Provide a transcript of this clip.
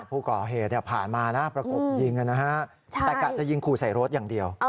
ผู้ก่อเหตุผ่านมานะประกบยิงนะฮะแต่กะจะยิงขู่ใส่รถอย่างเดียว